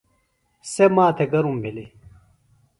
سےۡ ماتھےۡ گرم بِھلیۡ۔